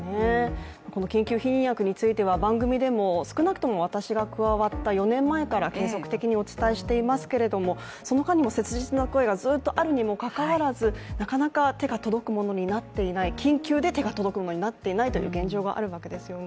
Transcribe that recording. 緊急避妊薬については、番組でも少なくとも私が加わった４年前から継続的にお伝えしていますけれども、その間にも切実な声がずっとあるにもかかわらずなかなか手が届くものになっていない、緊急で手が届くものになっていないという現状があるわけですよね。